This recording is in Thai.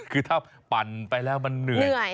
คือถ้าปั่นไปแล้วมันเหนื่อย